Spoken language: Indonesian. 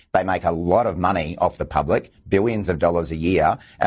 mereka membuat banyak uang dari publik berjutaan dolar setahun